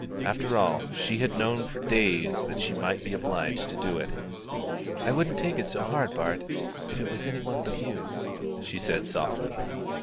After all, she had known for days that she might be obliged to do it. "I wouldn't take it so hard, Bart, if it was any one but you," she said softly.